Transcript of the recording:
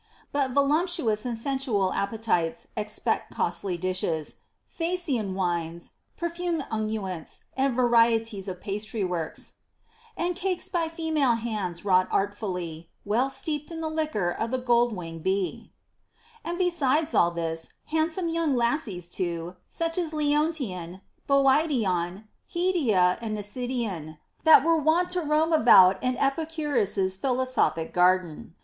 But voluptuous and sensual appetites expect costly dishes, Tha sian wines, perfumed unguents, and varieties of pastry works, And cakes by female hands wrought artfully, Well steep'd in th' liquor of the gold wing'd bee ;* and besides all this, handsome young lassies too, such as Leontion, Boidion, Hedia, and Nicedion, that were wont to roam about in Epicurus's philosophic garden.